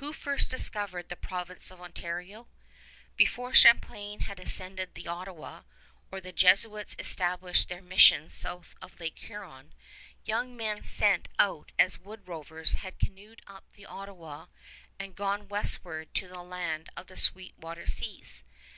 Who first discovered the Province of Ontario? Before Champlain had ascended the Ottawa, or the Jesuits established their missions south of Lake Huron, young men sent out as wood rovers had canoed up the Ottawa and gone westward to the land of the Sweet Water Seas.